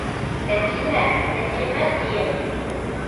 Тәслимә, Тәслимә, тием!